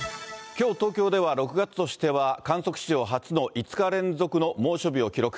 きょう東京では、６月としては観測史上初の５日連続の猛暑日を記録。